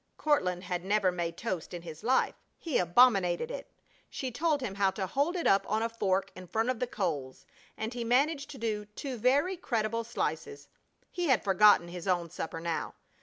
Courtland had never made toast in his life. He abominated it. She told him how to hold it up on a fork in front of the coals and he managed to do two very creditable slices. He had forgotten his own supper now.